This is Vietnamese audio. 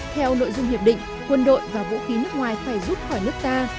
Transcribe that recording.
theo nội dung hiệp định quân đội và vũ khí nước ngoài phải rút khỏi nước ta